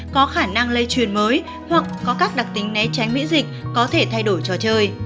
có khả năng lây truyền mới hoặc có các đặc tính né tránh miễn dịch có thể thay đổi trò chơi